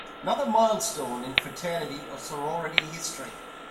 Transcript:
Another milestone in fraternity or sorority history.